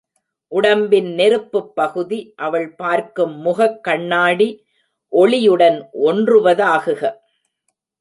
உடம்பின் நெருப்புப் பகுதி, அவள் பார்க்கும் முகக் கண்ணாடி ஒளி யுடன் ஒன்றுவ தாகுக!